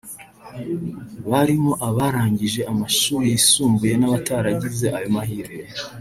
barimo abarangije amashuri yisumbuye n’abataragize ayo mahirwe